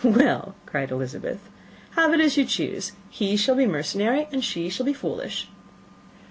"Well," cried Elizabeth, "have it as you choose. He shall be mercenary, and she shall be foolish."